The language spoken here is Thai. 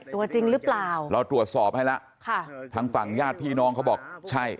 ตัวจริงหรือเปล่าเราตรวจสอบให้แล้วค่ะทางฝั่งญาติพี่น้องเขาบอกใช่